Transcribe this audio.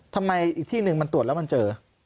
ทำไมอีกที่หนึ่งมันตรวจแล้วมันเจอ